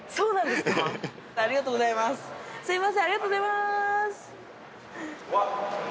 すみませんありがとうございます！